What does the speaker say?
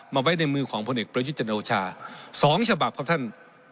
ไว้ในมือของพลเอกประยุทธ์จันโอชา๒ฉบับครับท่าน